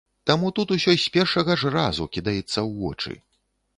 Таму тут усё з першага ж разу кідаецца ў вочы.